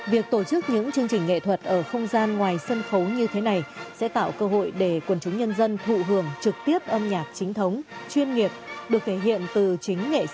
việc tổ chức những chương trình nghệ thuật ở không gian ngoài sân khấu như thế này sẽ tạo cơ hội để quần chúng nhân dân thụ hưởng trực tiếp âm nhạc chính thống chuyên nghiệp được thể hiện từ chính nghệ sĩ